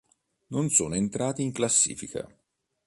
Non sono entrati in classifica.